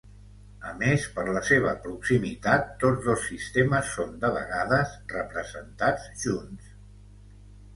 A més, per la seva proximitat, tots dos sistemes són, de vegades, representats junts.